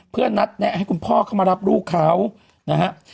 เพื่อนัดแนะให้คุณพ่อเข้ามารับลูกเขานะฮะ